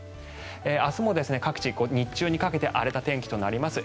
明日も各地、日中にかけて荒れた天気となります。